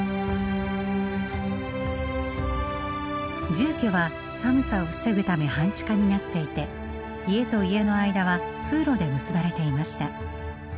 住居は寒さを防ぐため半地下になっていて家と家の間は通路で結ばれていました。